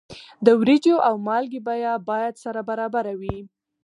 د وریجو او مالګې بیه باید سره برابره وي.